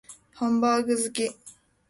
ハンバーグ好き